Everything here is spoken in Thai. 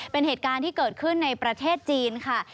เป็นเหตุการณ์ที่เกิดขึ้นในประเทศจีนค่ะ